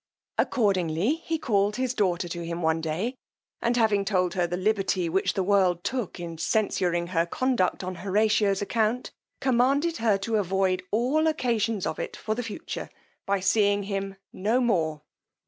Accordingly he called his daughter to him one day, and having told her the liberty which the world took in censuring her conduct on Horatio's account, commanded her to avoid all occasions of it for the future, by seeing him no more.